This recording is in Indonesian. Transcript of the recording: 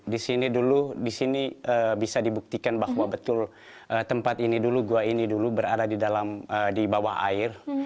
di sini dulu di sini bisa dibuktikan bahwa betul tempat ini dulu gua ini dulu berada di dalam di bawah air